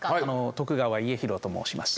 徳川家広と申します。